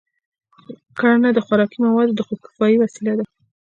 کرنه د خوراکي موادو د خودکفایۍ وسیله ده.